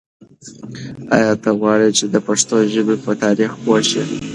آیا ته غواړې چې د پښتو ژبې په تاریخ پوه شې؟